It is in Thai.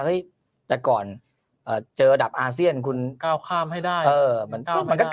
เฮ้ยแต่ก่อนเจอดับอาเซียนคุณก้าวข้ามให้ได้เอ่อมันก็